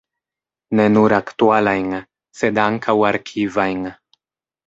Ne nur aktualajn, sed ankaŭ arkivajn.